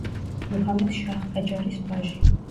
მუჰამედ-შაჰ ყაჯარის ვაჟი.